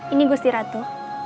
ini gusti ratu